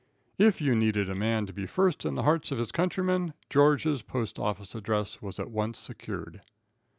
If you needed a man to be first in the hearts of his countrymen, George's postoffice address was at once secured.